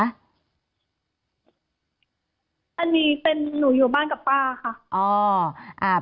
อันนี้เป็นหนูอยู่บ้านกับป้าค่ะ